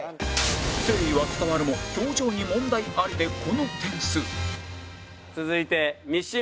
誠意は伝わるも表情に問題ありでこの点数続いて三島。